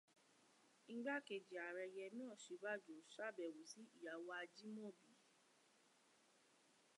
Igbákeji ààrẹ Yẹmí Òṣíbájò sàbẹwò sí ìyàwó Ajímọ̀bí.